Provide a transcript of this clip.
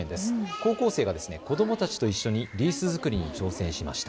高校生が子どもたちとリース作りに挑戦しました。